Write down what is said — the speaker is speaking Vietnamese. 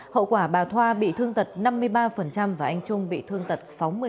hậu quả bà thoa bị thương tật năm mươi ba và anh trung bị thương tật sáu mươi